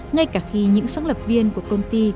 ngay cả khi những sáng lập viên của công ty